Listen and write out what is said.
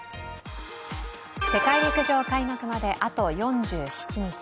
世界陸上開幕まであと４７日。